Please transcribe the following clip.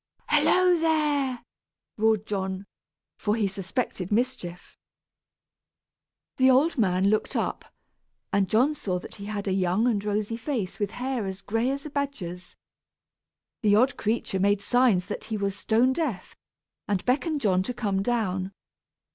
"Hallo, there!" roared John, for he suspected mischief. The old man looked up, and John saw that he had a young and rosy face with hair as gray as a badger's. The odd creature made signs that he was stone deaf, and beckoned John to come down.